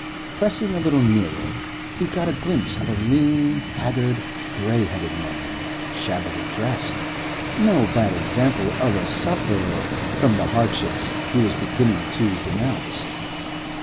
Pressing a little nearer, he got a glimpse of a lean, haggard, grey headed man, shabbily dressed, no bad example of a sufferer from the hardships he was beginning to denounce.